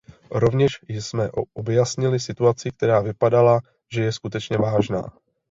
Rovněž jsme objasnili situaci, která vypadala, že je skutečně vážná.